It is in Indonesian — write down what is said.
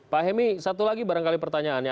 pak hemi satu lagi barangkali pertanyaannya